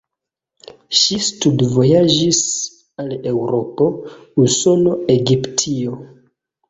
Ŝi studvojaĝis al Eŭropo, Usono, Egiptio.